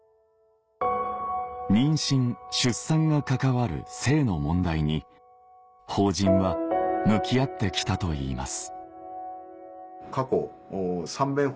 妊娠出産が関わる性の問題に法人は向き合ってきたといいます